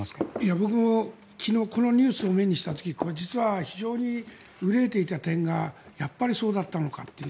僕も昨日このニュースを目にした時実は憂いていた点がやっぱりそうだったのかという。